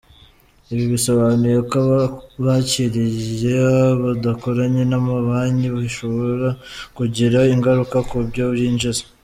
Ibi bisobanuye ko aba bakiriya badakoranye n’amabanki bishobora kugira ingaruka ku byo yinjiza.